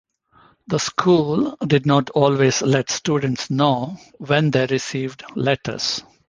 The school did not always let students know when they received letters.